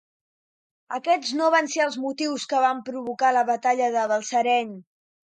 Aquests no van ser els motius que van provocar la batalla de Balsareny.